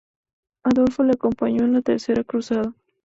Adolfo le acompañó en la Tercera Cruzada.